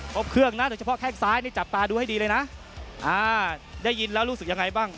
ครบเครื่องนะโดยเฉพาะแข้งซ้ายนี่จับตาดูให้ดีเลยนะอ่าได้ยินแล้วรู้สึกยังไงบ้าง